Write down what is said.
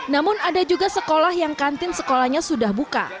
namun ada juga sekolah yang kantin sekolahnya sudah buka